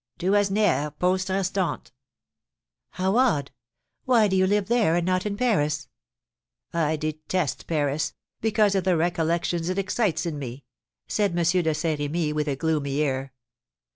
"To Asnières Poste Restante." "How odd! Why do you live there, and not in Paris?" "I detest Paris, because of the recollections it excites in me!" said M. de Saint Remy, with a gloomy air.